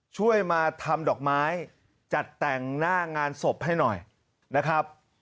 ช่วยมาทำดอกไม้จัดแต่งหน้างานศพให้หน่อยนะครับ